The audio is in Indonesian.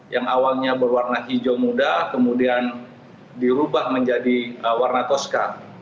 yang awalnya berwarna hijau muda kemudian dirubah menjadi warna toska